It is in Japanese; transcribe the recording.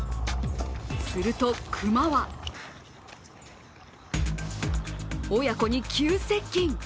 すると熊は親子に急接近。